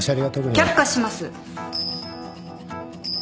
却下します。